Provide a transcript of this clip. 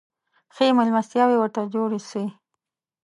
ښې مېلمستیاوي ورته جوړي سوې.